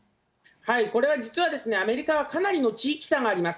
これは実は、アメリカはかなりの地域差があります。